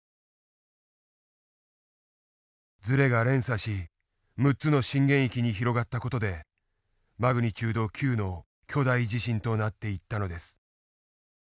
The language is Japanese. ずれが連鎖し６つの震源域に広がった事でＭ９．０の巨大地震となっていったのです。